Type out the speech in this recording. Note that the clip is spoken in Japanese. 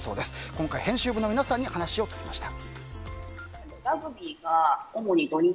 今回、編集部の皆さんに話を聞きました。